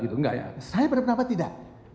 saya berpendapat tidak